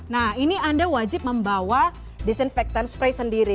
nah ini anda wajib membawa disinfektan spray sendiri